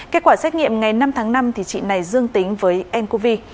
kết quả xét nghiệm ngày năm tháng năm chị này dương tính với ncov